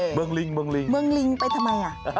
เมืองลิงนะไปทำไม